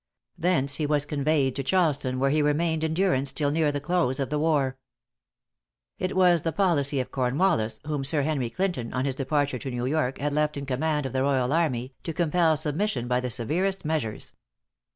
Thence he was conveyed to Charleston, where he remained in durance till near the close of the war. It was the policy of Cornwallis, whom Sir Henry Clinton, on his departure to New York, had left in command of the royal army, to compel submission by the severest measures.